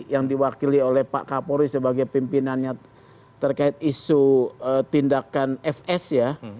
yang diwakili oleh pak kapolri sebagai pimpinannya terkait isu tindakan fs ya